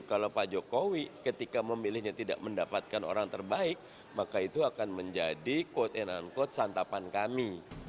kalau pak jokowi ketika memilihnya tidak mendapatkan orang terbaik maka itu akan menjadi quote and unquote santapan kami